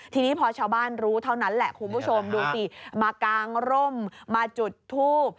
ทีนี้พอชาวบ้านรู้เท่านั้นแหละคุณผู้ชมดูสิมากางร่มมาจุดทูบ